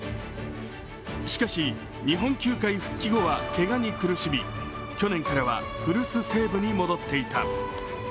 しかし、日本球界復帰後はけがに苦しみ去年からは古巣・西武に戻っていた。